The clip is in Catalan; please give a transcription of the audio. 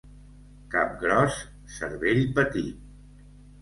Cap gros, cervell petit.